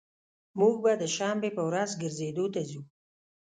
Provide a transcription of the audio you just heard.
موږ به د شنبي په ورځ ګرځیدو ته ځو